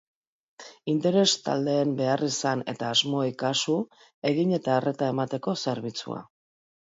Interes-taldeen beharrizan eta asmoei kasu egin eta arreta emateko zerbitzua.